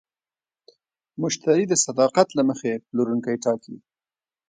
مشتری د صداقت له مخې پلورونکی ټاکي.